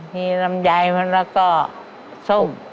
มีลำไยมันแล้วก็ส้ม